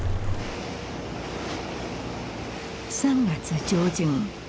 ３月上旬。